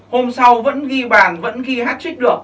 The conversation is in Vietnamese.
hôm sau vẫn ghi bàn vẫn ghi hat trick được